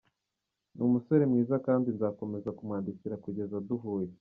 Ni umusore mwiza kandi nzakomeza kumwandikira kugeza duhuye.